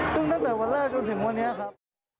ซึ่งตั้งแต่วันแรกจนถึงวันนี้ครับ